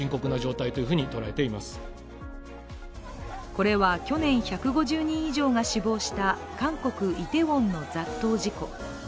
これは去年１５０人以上が死亡した韓国・イテウォンの雑踏事故。